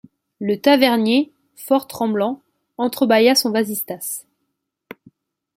Le tavernier, fort tremblant, entre-bâilla son vasistas.